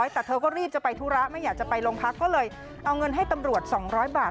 แต่เธอก็รีบจะไปธุระไม่อยากจะไปโรงพักก็เลยเอาเงินให้ตำรวจ๒๐๐บาท